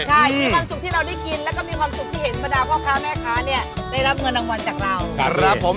ใช่มีความสุขที่เราได้กิน